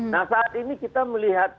nah saat ini kita melihat